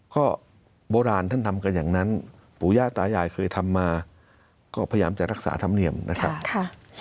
ก็โบราณท่านทำกันอย่างนั้นปู่ย่าตายายเคยทำมาก็พยายามจะรักษาธรรมเนียมนะครับ